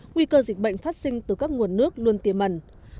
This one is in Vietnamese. nguy cơ dịch bệnh phát sinh từ các nguồn nước luôn tiềm mẩn